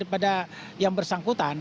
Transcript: pada yang bersangkutan